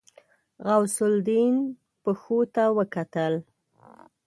غوث الدين پښو ته وکتل.